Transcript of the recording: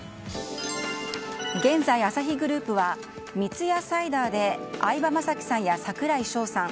現在アサヒグループは三ツ矢サイダーで相葉雅紀さんや櫻井翔さん。